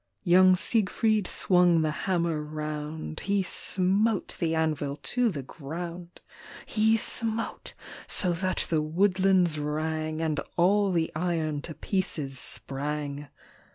Young Siegfried swung the hammer round — He smote the anvil to the ground. He smote so that the woodlands rang, And all the iron to pieces sprang.